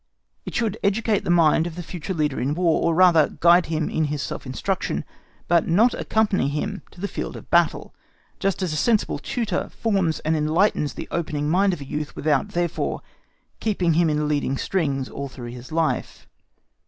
It should educate the mind of the future leader in War, or rather guide him in his self instruction, but not accompany him to the field of battle; just as a sensible tutor forms and enlightens the opening mind of a youth without, therefore, keeping him in leading strings all through his life.